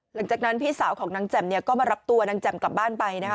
หลังจากนั้นพี่สาวของนางแจ่มเนี่ยก็มารับตัวนางแจ่มกลับบ้านไปนะคะ